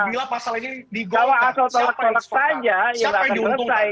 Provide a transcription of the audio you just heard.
kalau asal tolak tolak saja yang akan selesai